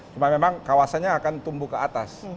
cuma memang kawasannya akan tumbuh ke atas